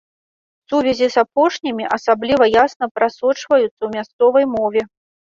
Сувязі з апошнімі асабліва ясна прасочваюцца ў мясцовай мове.